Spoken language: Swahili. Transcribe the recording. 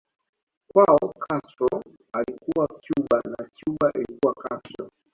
Kwao Castro alikuwa Cuba na Cuba ilikuwa Castro